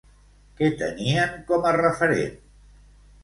Què tenien com a referent?